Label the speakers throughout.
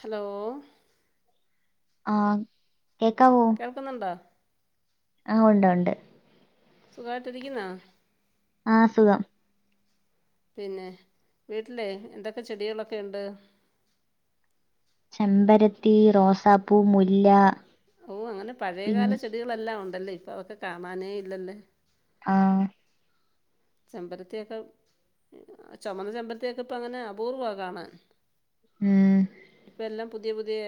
Speaker 1: Hello?
Speaker 2: ആഹ് കേക്കാവോ?
Speaker 1: കിട്ടുന്നുണ്ടോ?
Speaker 2: ആഹ് ഉണ്ട് ഉണ്ട്.
Speaker 1: സുഖായിട്ടിരിക്കുന്നാ.
Speaker 2: ആഹ് സുഖം.
Speaker 1: പിന്നെ വീട്ടില് എന്തൊക്കെ ചെടികളൊക്കെ ഉണ്ട്.
Speaker 2: ചെമ്പരത്തി, റോസാപ്പൂ, മുല്ല.
Speaker 1: ഓഹ് അങ്ങനെ
Speaker 2: പിൻ
Speaker 1: പഴയകാല ചെടികളെല്ലാം ഉണ്ടല്ലേ ഇപ്പ അവക്കെ കാണാനേ ഇല്ലല്ലേ.
Speaker 2: ആഹ്
Speaker 1: ചെമ്പരത്തിയക്കെ ചുമന്ന ചെമ്പരത്തിയൊക്കെ ഇപ്പ അങ്ങനെ അപൂർവ്വമാ കാണാൻ.
Speaker 2: ഉം
Speaker 1: ഇപ്പ എല്ലാം പുതിയ പുതിയ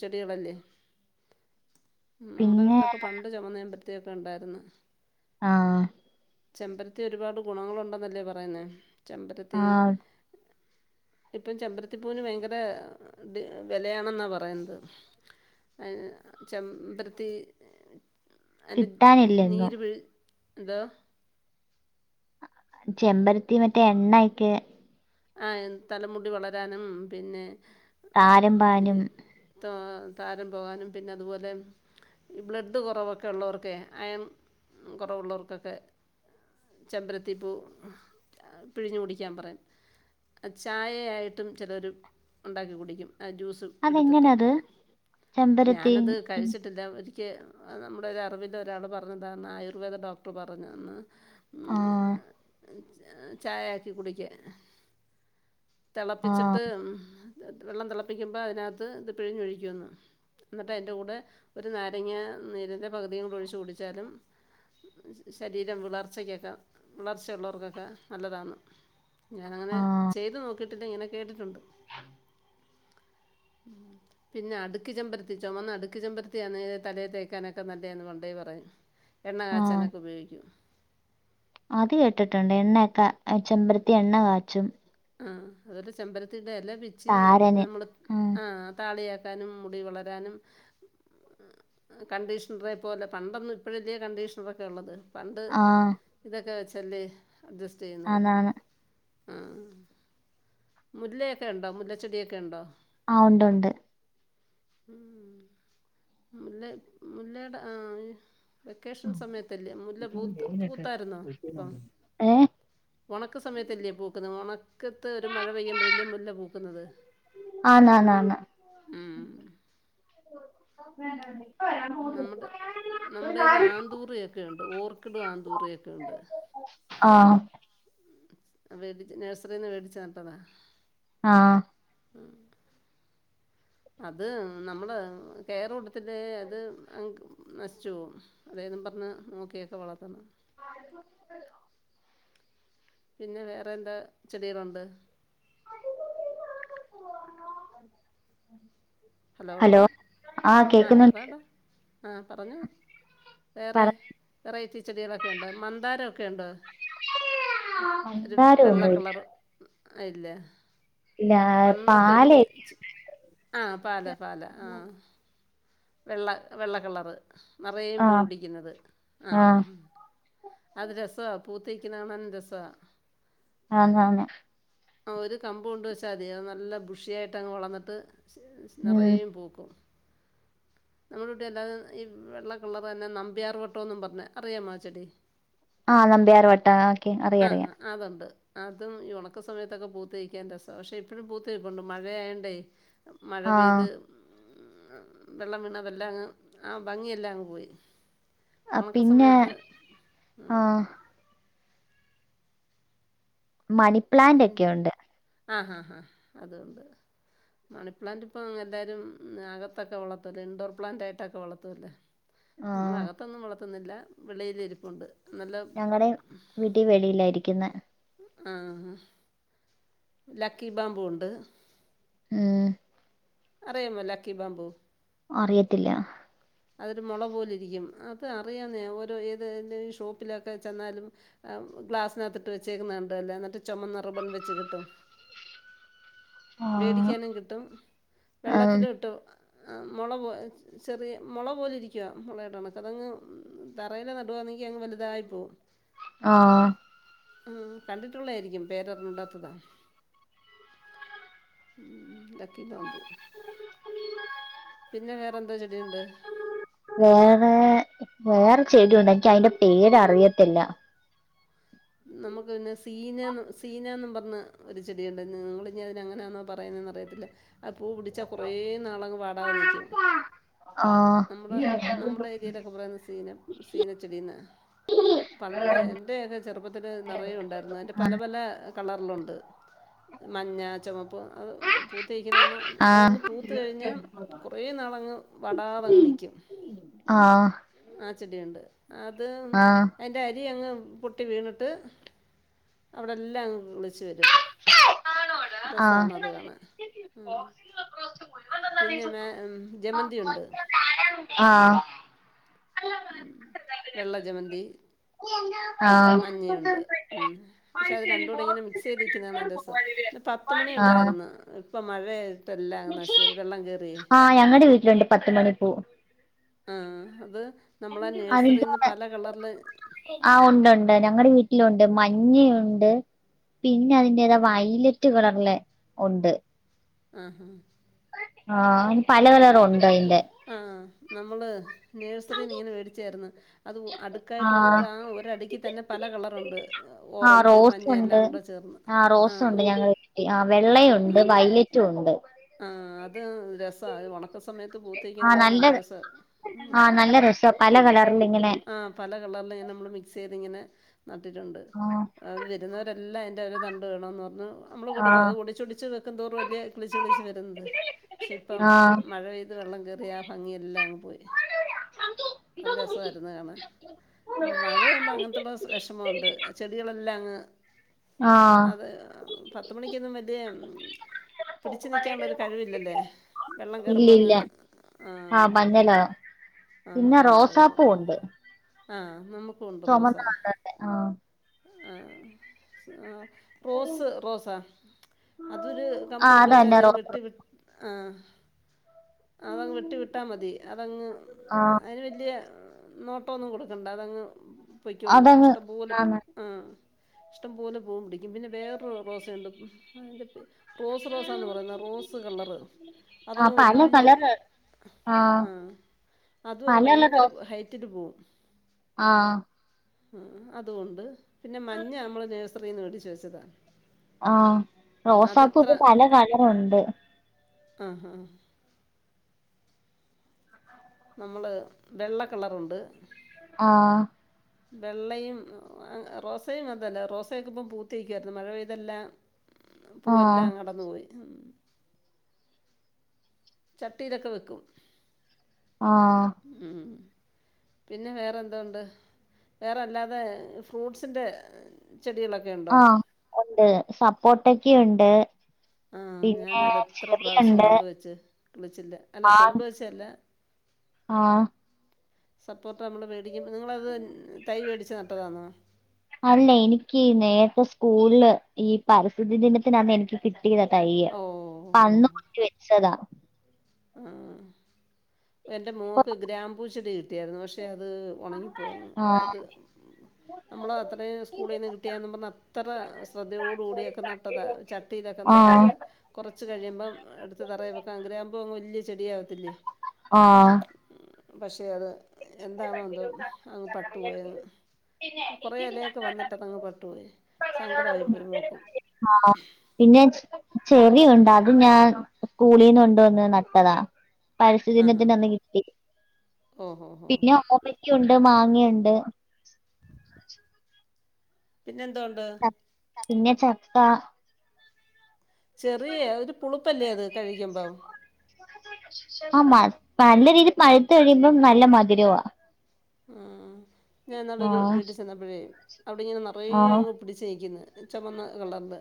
Speaker 1: ചെടികളല്ലേ? നമ്മുടെ
Speaker 2: പിന്നെ
Speaker 1: വീട്ടിലൊക്കെ പണ്ട് ചുമന്ന ചെമ്പരത്തൊക്കെ ഉണ്ടായിരുന്നു.
Speaker 2: ആഹ്
Speaker 1: ചെമ്പരത്തി ഒരുപാട് ഗുണങ്ങളുണ്ടെന്നല്ലേ പറയുന്നെ. ചെമ്പരത്തി
Speaker 2: ആഹ്
Speaker 1: ഇപ്പം ചെമ്പരത്തിപ്പൂന് ഭയങ്കര വിലയാണെന്നാ പറയുന്ന്. ചമ്പരത്തി. അയ്ന്റെ
Speaker 2: കിട്ടാനില്ലെങ്ങും
Speaker 1: നീര് പിഴ് എന്തോ
Speaker 2: ചെമ്പരത്തി മറ്റേ എണ്ണയിക്ക്.
Speaker 1: ആഹ് തലമുടി വളരാനും. പിന്നെ
Speaker 2: താരമ്പാനും.
Speaker 1: ത താരൻ പോകാനും. പിന്നെ അതുപോലെ ഈ ബ്ലഡ് കുറവൊക്കെ ഉള്ളവർക്കെ അയണ് കുറവുള്ളവർക്കൊക്കെ. ചെമ്പരത്തിപൂ പിഴിഞ് കുടിക്കാൻ പറയും ചായയായിട്ടും ചിലർ ഉണ്ടാക്കി കുടിക്കും. ആഹ് ജ്യൂസ്. എടുത്തിട്ട്
Speaker 2: അതെങ്ങനാത് ചെമ്പരത്തി
Speaker 1: ഞാനത് കഴിച്ചിട്ടില്ല. എക്ക് നമ്മുടെ ഒ ഒരു അറിവില് ഒരാൾ പറഞ്ഞതാന്ന് ആയുർവേദ ഡോക്ടർ പറഞ്ഞുതന്ന്. ഉം
Speaker 2: ആഹ്
Speaker 1: ചായാക്കി കുടിക്ക. തിളപ്പിച്ചിട്ട്
Speaker 2: ആഹ്
Speaker 1: വെള്ളം തിളപ്പിക്കുമ്പോൾ അതിനകത്ത് ഇത് പിഴിഞ്ഞൊഴിക്കുമുന്ന്. എന്നിട്ട് എയിൻ്റ കൂടെ ഒരു നാരങ്ങ നീരിൻ്റെ പകുതിയും കൊണ്ട് ഒഴിച്ച് കുടിച്ചാലും. ശരീരം വിളർച്ചക്കൊക്കെ വിളർച്ചയുള്ളവർക്കൊക്കെ നല്ലതാണ്. ഞാനങ്ങനെ
Speaker 2: ആഹ്
Speaker 1: ചെയ്തു നോക്കിട്ടില്ല. ഇങ്ങനെ കേട്ടിട്ടുണ്ട്.
Speaker 2: [unintelligible]
Speaker 1: ഉം പിന്നെ അടുക്കി ചെമ്പരത്തി ചുമന്ന അടുക്കി ചെമ്പരത്തിയന്നെ തലയെ തേക്കാനൊക്കെ നല്ലയന്ന് പണ്ടെ പറയും. എണ്ണ
Speaker 2: ആഹ്
Speaker 1: കാച്ചാനൊക്കെ ഉപയോഗിക്കും.
Speaker 2: അത് കേട്ടിട്ടുണ്ട് എണ്ണയൊക്കെ ചെമ്പരത്തി എണ്ണ കാച്ചും.
Speaker 1: ആഹ് അതുപോലെ ചെമ്പരത്തീടെ എല പിച്ചി
Speaker 2: താരന്
Speaker 1: നമ്മള്
Speaker 2: ഉം
Speaker 1: ആഹ് താളി തേക്കാനും മുടി വളരാനും. കണ്ടീഷണറെ പോലെ പണ്ടൊന്നും ഇപ്പഴല്ലേ കണ്ടീഷണറൊക്കെ ഒള്ളത്. പണ്ട്
Speaker 2: ആഹ്
Speaker 1: ഇതൊക്കെ വെച്ചല്ലേ അഡ്ജസ്റ്റ് ചെയ്യുന്നത്
Speaker 2: ആന്നാന്ന്
Speaker 1: ആഹ് മുല്ലയൊക്കെ ഇണ്ടോ മുല്ലച്ചെടിയൊക്കെ ഇണ്ടോ?
Speaker 2: ആഹ് ഒണ്ട് ഒണ്ട്.
Speaker 1: ഉം മുല്ല മുല്ലേടെ ആഹ് വെക്കേഷൻ സമയത്തല്ലേ മുല്ല പൂത്ത് പൂത്തായിരുന്നോ ഇപ്പം
Speaker 2: ഏഹ്
Speaker 1: ഒണക്ക് സമയത്തല്ലേ പൂക്കുന്നത് ദണക്കത്ത് ഒരു മഴ പെയ്യുമ്പഴല്ലേ മുല്ല പൂക്കുന്നത്.
Speaker 2: ആന്നാന്ന്
Speaker 1: ഉം. ഉം നമ്മടെ നമ്മടെല് ആന്തൂറിയെക്കെ ഇണ്ട് ഓർക്കിഡും ആന്തൂറിയൊക്കെ ഇണ്ട്
Speaker 2: ആഹ്
Speaker 1: വേടി നഴ്സറീന്ന് വേടിച്ച് നട്ടതാ
Speaker 2: ആഹ്
Speaker 1: ഉം അത് നമ്മള് കെയറ് കൊടുത്തില്ലേ അത് നശിച്ചു പോവും അതേന്നും പറഞ്ഞ് നോക്കിയൊക്കെ വളത്തണം
Speaker 2: ആ [unintelligible]
Speaker 1: പിന്നെ വേറെ എന്താ ചെടികളൊണ്ട്
Speaker 2: ഉ [unintelligible]
Speaker 1: ഹലോ ആഹ് പറയെടാ ആഹ് പറഞ്ഞോ വേറെ
Speaker 2: പറ
Speaker 1: വെറൈറ്റി ചെടികളൊക്കെ ഇണ്ടോ മന്താരമൊക്കെ ഇണ്ടോ ഒരു വെള്ള
Speaker 2: മന്താരൊന്നുല്ല
Speaker 1: കളറ് അയില്ലേ
Speaker 2: ഇല്ല
Speaker 1: പണ്ടത്തെ ഒര്
Speaker 2: പാല്
Speaker 1: ചെ ആഹ് പാല പാല ആഹ് വെള്ള വെള്ള കളറ് നറയേം പൂ
Speaker 2: ആഹ്
Speaker 1: പിടിക്കുന്നത് ആഹ് ആഹ് ആഹ് അത് രസവാ പൂത്ത് നിക്കുന്നെ കാണാനും രസവാ
Speaker 2: ആന്നാന്ന്
Speaker 1: ആഹ് ഒരു കമ്പ് കൊണ്ട് വെച്ചാതി അത് നല്ല ബുഷിയായിട്ട് അങ്ങ് വളർന്നിട്ട്
Speaker 2: ഉം
Speaker 1: നെറയേം പൂക്കും നമ്മടെ ഇവിടെ അല്ലാതെ ഈ വെള്ള കളറ് തന്നെ നമ്പിയാർ വട്ടവെന്നും പറഞ്ഞ് അറിയാമോ ആ ചെടി
Speaker 2: ആഹ് നമ്പ്യാർ വട്ടം ഓക്കെ അറിയാ അറിയാ
Speaker 1: അതൊണ്ട് അതും ഈ ഒണക്ക സമയത്തൊക്കെ പൂത്ത് നിക്കാൻ രസവാ പക്ഷെ ഇപ്പഴും പൂത്ത് നിപ്പൊണ്ട് മഴയായോണ്ടേ മഴ പെയ്ത്
Speaker 2: ആഹ്
Speaker 1: വെള്ളം വീണതെല്ലാം അങ്ങ് ആ ഭംഗിയെല്ലാം അങ്ങ് പോയി ഒണക്ക
Speaker 2: പിന്നെ
Speaker 1: സമയത്ത് ഉം
Speaker 2: ആഹ് മണിപ്ലാൻ്റൊക്കെയൊണ്ട്
Speaker 1: ആഹ് ആഹ് അതു ഒണ്ട് മണിപ്ലാന്റ് ഇപ്പ എല്ലാരും അകത്തൊക്കെ വളത്തുവല്ലേ ഇൻഡോർ പ്ലാന്റയിട്ടൊക്കെ വളത്തുവല്ലോ
Speaker 2: ആഹ്
Speaker 1: നമ്മളകത്തൊന്നും വളത്തുന്നില്ല വെളിയിലിരിപ്പൊണ്ട്
Speaker 2: ഞങ്ങടേം വീട്ടി വെളിയിലായിരിക്കുന്നെ
Speaker 1: ആഹ് ലക്കി ബാമ്പൂവൊണ്ട്
Speaker 2: ഏഹ്
Speaker 1: അറിയാമ്മോ ലക്കി ബാംബൂ
Speaker 2: അറിയത്തില്ലാ
Speaker 1: [unintelligible] അതൊരു മൊള പോലിരിക്കും അത് അറിയാന്നേ ഓരോ ഏത് ഈ ഷോപ്പിലൊക്കെ ചെന്നാലും ആഹ് ഗ്ലാസിനകത്തിട്ട് വെച്ചേക്കുന്ന കണ്ടല്ലേ എന്നിട്ട് ചുമന്ന റിബൺ വെച്ച് കെട്ടും
Speaker 2: ആഹ്
Speaker 1: വേടിക്കാനും കിട്ടും
Speaker 2: ആഹ്
Speaker 1: വെള്ളത്തില്ട്ട് മൊള ചെറിയ മൊള പോലെ ഇരിക്കുവ മൊളേടെ കണക്ക് അതങ്ങ് തറയിലെ നടുവാണെങ്കിൽ അങ്ങ് വലുതായിപ്പോകും [unintelligible]
Speaker 2: ആഹ്
Speaker 1: ആഹ് കണ്ടിട്ടുള്ളത് ആയിരിക്കും പേരെറിഞ്ഞൂടാത്തതാ ഉം ലക്കി ബാംമ്പൂ
Speaker 2: ഉ ഉ [unintelligible]
Speaker 1: പിന്നെ വേറെന്താ ചെടിയുണ്ട്
Speaker 2: വേറെ വേറെചെടിയുണ്ട് എനിക്ക് അതിന്റെ പേര് അറിയത്തില്ല
Speaker 1: നമുക്ക് പിന്നെ സീന സീനാന്ന് പറഞ് ഒരു ചെടിയുണ്ട് നിങ്ങള് ഇനി അതിനെ എങ്ങനാന്നോ പറയുന്നന്നറിയത്തില്ല ആ പൂ പിടിച്ചാ കൊറേ നാളങ്ങ് വാടാതെ നിക്കും
Speaker 2: ആഹ്
Speaker 1: നമ്മുടെ നമ്മുടെ ഏരിയലൊക്കെ പറയുന്ന സീന സീനച്ചെടിന്നാ പണ്ട് എന്റെയൊക്കെ ചെറുപ്പത്തിൽ നിറയെ ഉണ്ടായിരുന്നു. അതിന്റെ പല പല കളറിലുണ്ട്. മഞ്ഞ, ചുവപ്പ്, അത് പൂത്തു നിൽക്കുന്നത് കാണാ
Speaker 2: ആഹ്
Speaker 1: അഹ് ഒന്ന് പൂത്ത് കഴിഞ്ഞാൽ കുറേ നാളങ്ങ് വടാതങ്ങ് നിൽക്കും.
Speaker 2: ആഹ്
Speaker 1: ആ ചെടിയുണ്ട് അത്
Speaker 2: ആഹ്
Speaker 1: അയ്ന്റെ അരിയങ്ങ് പൊട്ടി പൊട്ടി വീണിട്ട് അവിടെ എല്ലാം അങ്ങ് കിളിച്ചു വരും.
Speaker 2: ആഹ്
Speaker 1: രസവാണ് അത് കാണാൻ ഉം. പിന്നെ മേ ഉം ജമന്തി ഉണ്ട്.
Speaker 2: ആഹ്
Speaker 1: ഉം വെള്ള ജമന്തി.
Speaker 2: ആഹ്
Speaker 1: മഞ്ഞയുണ്ട് ഉം പക്ഷെ അത് രണ്ട് കൂടെ ഇങ്ങനെ മിക് സൈതിക്കുന്ന കാണാ രസ പിന്നെ പത്തുമണി
Speaker 2: ആഹ്
Speaker 1: ഉണ്ടായിരുന്നു ഇപ്പം മഴയ ഇപ്പം എല്ലാം അങ്ങ് നശിച്ച് പോയി വെള്ളം കേറിയേ
Speaker 2: ആഹ് ഞങ്ങടെ വീട്ടി രണ്ട് പത്ത് മണി പൂ
Speaker 1: ആഹ് അത് നമ്മളെ
Speaker 2: അതിന്റെ
Speaker 1: നേഴ്സറിൽന്ന് പല കളറില്
Speaker 2: ആഹ് ഉണ്ട്ണ്ട് ഞങ്ങടെ വീട്ടിലുണ്ട് മഞ്ഞയുണ്ട്. പിന്നെ അതിന്റേതാ വയലറ്റ് കളറില് ഉണ്ട്.
Speaker 1: ആഹാ
Speaker 2: ആഹ് അയ്ന് പല കളറും ഉണ്ട് അയ്ന്റെ
Speaker 1: ആഹ് നമ്മള് നേഴ്സറീന്ന് ഇങ്ങനെ മേടിച്ചായിരുന്നു. അതും അടുക്കായിട്ട്
Speaker 2: ആഹ്
Speaker 1: വന്നിട്ട് ആ ഒരടുക്ക് തന്നെ പല കളറുണ്ട് ഓറഞ്ച് മഞ്ഞ എല്ലാം കൂടെ ചേർന്ന്.
Speaker 2: ആഹ് റോസ്
Speaker 1: ആ
Speaker 2: ഉണ്ട് ഞ ആഹ് വെള്ളയുണ്ട് വയലറ്റും ഉണ്ട്.
Speaker 1: ആഹ് അതാ രസ സാ ഒണക്ക് സമയത്ത് പുത്തു നിൽക്കുന്നത് കാണാൻ നല്ല രസാ ആഹ്
Speaker 2: ആ നല്ല രസ പല കളറിൽ ഇങ്ങനെ
Speaker 1: ആഹ് പല കളറില് ഇങ്ങനെ നമ്മള് മിക്സ് ചെയ്ത് ഇങ്ങനെ നട്ടിട്ടുണ്ട്
Speaker 2: ആ
Speaker 1: വരുന്നവരെല്ലാം അയ്ന്റെ ഒരു തണ്ട് വെണോന്ന് പറഞ്ഞ് നമ്മള്
Speaker 2: ആ
Speaker 1: കൊടുക്കും അത് ഒടിച്ച് ഒടിച്ച് വെക്കുന്തോറു അല്ലേ അത് കിളിച്ച് കിളിച്ച് ച്ച് വരുന്നത്. പക്ഷേ ഇപ്പം
Speaker 2: ആ
Speaker 1: മഴ പെയ്ത് വെള്ളം കയറിയ ആ ഭംഗിയെല്ലാം അങ്ങ് പോയി. അത് രസായിരുന്നു കാണാൻ ഉം [unintelligible] മഴ പെയുമ്പോ അങ്ങനത്തുള്ള വിഷമം ഉണ്ട് ചെടികളെല്ലാംങ്ങ്
Speaker 2: ആ
Speaker 1: അത് പത്ത് മണിക്കൊന്നും വലിയ പിടിച്ച് നിൽക്കാനുള്ളൊരു കഴിവില്ലല്ലേ വെള്ളം കയറുമ്പോൾ
Speaker 2: ഇല്ലില്ല
Speaker 1: അങ്ങ് ആ പോവും. ആ
Speaker 2: പിന്നെ
Speaker 1: പർഞ്ഞതായിപ്പോ
Speaker 2: റോസാപ്പൂ ഉണ്ട്.
Speaker 1: ആ നമുക്കു ഉണ്ട് റോസ
Speaker 2: ചുമന്ന കളറിന്റെ ആ
Speaker 1: ആഹ് റോസ് റോസാ അതൊരു
Speaker 2: ആ
Speaker 1: കമ്പ് കൊണ്ട് വച്ചാൽ
Speaker 2: അതന്നെ
Speaker 1: അധികം
Speaker 2: റോസ്
Speaker 1: വെട്ടി ആഹ് അതങ്ങ് വെട്ടി വിട്ടാൽ മതി അതങ്ങ്
Speaker 2: ആ
Speaker 1: അതിന് വലിയ നോട്ടമൊന്നും കൊടുക്കണ്ട അതങ്ങ് പൊയ്ക്കോളും
Speaker 2: അതങ്ങ്
Speaker 1: ഇഷ്ടം പൊലെ
Speaker 2: ആന്ന്
Speaker 1: ആ ഇഷ്ടം പൊലെ പൂവ് പിടിക്കും പിന്നെ വേറൊരു റോസ് ഉണ്ട് അതിൻ്റെ റോസ് റോ [unintelligible] പറയുന്നത് റോസ് കളറ്
Speaker 2: ആ
Speaker 1: അതങ്ങ്
Speaker 2: പല
Speaker 1: വലിയ
Speaker 2: കളറ്
Speaker 1: ആ അതും അങ്ങ്
Speaker 2: പലകളർ
Speaker 1: ഭയങ്കര
Speaker 2: റോസ്
Speaker 1: ഹൈറ്റിൽ പോവും.
Speaker 2: ആ
Speaker 1: ആ അതു ഉണ്ട് പിന്നെ മഞ്ഞ നമ്മള് നേഴ്സറിന്ന് മേടിച്ച് വെച്ചതാ.
Speaker 2: ആഹ് റോസാപ്പൂ ഇപ്പ പല കളറുണ്ട്.
Speaker 1: ഹാ ഹാ നമ്മള് വെള്ളക്കളറുണ്ട്.
Speaker 2: ആഹ്
Speaker 1: വെള്ളയും റോസയും അതല്ല റോസൊക്കെ ഇപ്പം പൂത്തിയിരുക്കാ യിരുന്നു മഴ പെയ്തെല്ലാം.
Speaker 2: ആ
Speaker 1: പൂവെല്ലാം അടർന്നു പോയി. ചട്ടിലൊക്കെ വെക്കും.
Speaker 2: ആഹ്
Speaker 1: ഉം പിന്നെ വേറെ എന്തോണ്ട് വേറെല്ലാതെ ഫ്രൂട്ട്സിൻ്റെ ചെടികളൊക്കെ ഉണ്ടോ
Speaker 2: ആഹ് ഉണ്ട് സപ്പോട്ടൊക്കെ ഉണ്ട്
Speaker 1: ആ
Speaker 2: പിന്നെ
Speaker 1: ഞാനത് എത്ര പ്രാവശ്യം
Speaker 2: ചെറിയുണ്ട്
Speaker 1: കൊണ്ട് വെച്ച് കിളിച്ചില്ല അല്ല കൊണ്ട് വച്ചല്ല
Speaker 2: ആഹ്
Speaker 1: സപ്പോട്ട നമ്മൾ മേടിക്കുമ്പൾ നിങ്ങളത് തൈ മേടിച്ച് നട്ടതാണോ
Speaker 2: അല്ല എനിക്ക് നേരത്തെ സ്കൂളില് ഈ പരിസ്ഥിതി ദിനത്തിനാണ് എനിക്ക് കിട്ടിയതാ തയ്യെ
Speaker 1: ഓ
Speaker 2: അന്ന് കുത്തി വെച്ചതാ
Speaker 1: ആഹ് എൻ്റെ മോക്ക് ഗ്രാപൂച്ചെടി കിട്ടിയായിരുന്നു പക്ഷേ അത് ഉണങ്ങിപ്പോയ അത്
Speaker 2: ആ
Speaker 1: നമ്മൾ അത്രയും സ്കൂളിൽ നിന്ന് കിട്ടിയാെന്ന് പറഞ്ഞ അത്ര ശ്രദ്ധയോട കൂടിയൊക്കെ നട്ടതാണ് ചട്ടിയിലൊക്കെ
Speaker 2: ആഹ്
Speaker 1: നട്ടിട്ട് കുറച്ച് കഴിയുമ്പം എടുത്ത് തറയി വെക്കാം അങ്ങനെആകുമ്പോൾ അങ് വലിയ ചെടിയ ആകത്തില്ലേ
Speaker 2: ആഹ്
Speaker 1: പക്ഷെ അത് എന്താണ എന്തോ അങ്ങ് പട്ടുപോയങ്ങ് കുറെേഇലയൊക്കെ വന്നിട്ട് അങ്ങ് പട്ടു പോയി സങ്കടമായി പോയി മോക്ക്‌.
Speaker 2: ആണോ പിന്നെ ചെറിയുണ്ട് അതും ഞാൻ സ്കൂളീന്ന് കൊണ്ടുവന്ന് നട്ടതാ. പരസ്ഥി
Speaker 1: ആ ഹാ
Speaker 2: ദിനത്തിന് അന്ന് കിട്ടി
Speaker 1: ഓഹോ ഹോ
Speaker 2: പിന്നെ ഓമയ്ക്ക ഉണ്ട് മാങ്ങയുണ്ട്
Speaker 1: പിന്നെ എന്തൊണ്ട്
Speaker 2: ച- പിന്നെ ചക്ക
Speaker 1: ചെറി ഒരു പുളുപ്പല്ലേ അത് കഴിക്കുമ്പം
Speaker 2: ആ നല്ല രീതിൽ പഴുത്ത് കഴിയുമ്പം നല്ല മധുരവാ
Speaker 1: ആഹ ഞാൻ ഇന്നാളൊരു
Speaker 2: ആഹ്
Speaker 1: വീട്ടിൽ ചെന്നപ്പോഴേ അവിടെ ഇങ്ങനെ നറയെ
Speaker 2: ആഹ്
Speaker 1: അങ്ങ് പിടിച്ച് രിക്കുന്നു ചുമന്ന കളറില്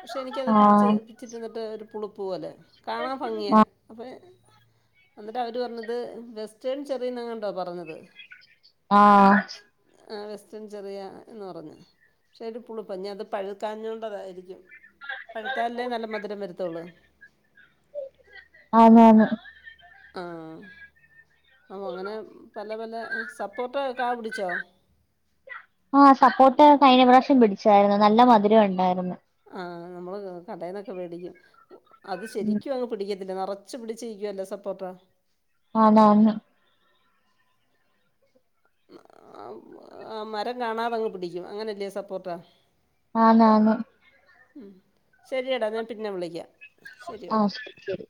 Speaker 1: പക്ഷേ എനിക്കത് പിടിച്ച്
Speaker 2: ആഹ്
Speaker 1: പിച്ചി തിന്നിട്ട് ഒരു പുളുപ്പ് പോലെ കാണാ ഭംഗിയാ
Speaker 2: ആഹ്
Speaker 1: അപ്പോൾ എന്നിട്ട് അവർ പറഞ്ഞത് വെസ്റ്റേൺ ചെറിയന്നങ്ങണ്ട പറഞ്ഞത്
Speaker 2: ആഹ
Speaker 1: ആഹ വെസ്റ്റേൺ ചെറിയ എന്ന് പറഞ്ഞു. പക്ഷേ ഒരു പുളിപ്പ് അത് പഴുക്കാഞ്ഞൊണ്ടതായിരിക്കും പഴുത്താലല്ലേ നല്ല മധുരം വരുത്തോള്ളു.
Speaker 2: ആണ് ആണ്
Speaker 1: ആഹ അങ്ങനെ പല പല സപ്പോർട്ട കാ പിടിച്ചോ
Speaker 2: ആഹ സപ്പോട്ട കഴിഞ്ഞ പ്രാവിശ്യം പിടിച്ചായിരുന്നു. നല്ല മധുരം ഉണ്ടായിരുന്നു.
Speaker 1: ആഹ നമ്മള് കടയിന്നൊക്കെ മേടിക്കും. അത്
Speaker 2: ഉം
Speaker 1: ശരിക്കും പിടിക്കത്തില്ല നറച്ച് പിടിച്ചിക്കുവ അല്ലേ സപ്പോർട്ട.
Speaker 2: ആണ്. അയന്നെ
Speaker 1: മരം കാണാതങ്ങ് പിടിക്കും അങ്ങനെയല്ലേ സപ്പോർട്ടാ
Speaker 2: ആണ്. ആന്ന്.
Speaker 1: ഉം ശരിയടാ ഞാൻ പിന്നെ വിളിക്കാം.
Speaker 2: ആഹ ശരി ശരി